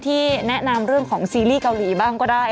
ที่แนะนำกับเรื่องของซีรีส์เกาหลีบ้าง